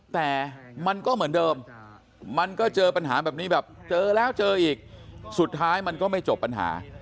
แต่มันก็เหมือนเดิมมันก็เจอปัญหาแบบนี้แบบเจอแล้วเจออีกสุดท้ายมันก็ไม่จบปัญหา